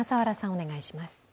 お願いします。